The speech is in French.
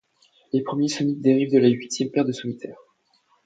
Les premiers somites dérivent de la huitième paire de somitomères.